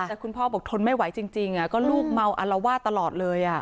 แต่คุณพ่อบอกทนไม่ไหวจริงก็ลูกเมาอัลวาดตลอดเลย